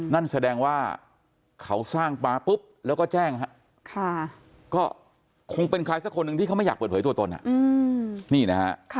นั่นแสดงว่าเขาสร้างปลาปุ๊บแล้วก็แจ้งฮะก็คงเป็นใครสักคนหนึ่งที่เขาไม่อยากเปิดเผยตัวตนนี่นะฮะ